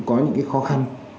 có những khó khăn